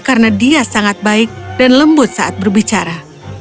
karena dia sangat baik dan lembut saat berbicara